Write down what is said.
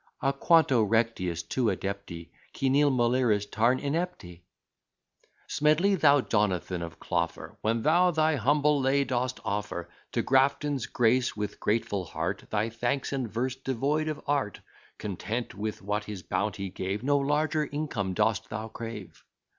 Ah! quanto rectius, tu adepte, Qui nil moliris tarn inepte? Smedley, thou Jonathan of Clogher, "When thou thy humble lay dost offer To Grafton's grace, with grateful heart, Thy thanks and verse devoid of art: Content with what his bounty gave, No larger income dost thou crave."